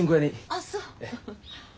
あっそう。